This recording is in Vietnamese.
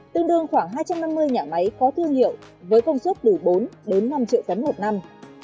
tương đương khoảng hai trăm năm mươi nhà máy có thương hiệu với công suất đủ bốn đến năm triệu tấn một năm